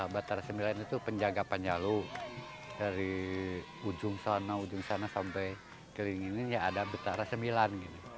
batara ix itu penjaga panjalu dari ujung sana ujung sana sampai kelingin ini ya ada batara ix